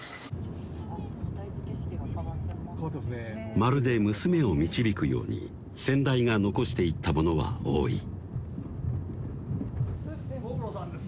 まるで娘を導くように先代が残していったものは多いご苦労さんです